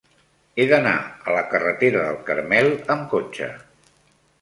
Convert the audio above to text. He d'anar a la carretera del Carmel amb cotxe.